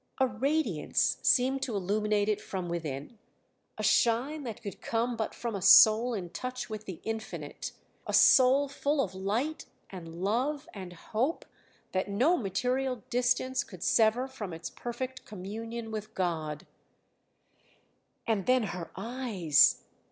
A radiance seemed to illuminate it from within, a shine that could come but from a soul in touch with the infinite, a soul full of light and love and hope, that no material distance could sever from its perfect communion with God. And then her eyes!